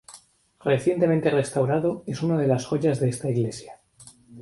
Recientemente restaurado, es una de las joyas de esta Iglesia.